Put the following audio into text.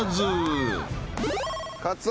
カツオ。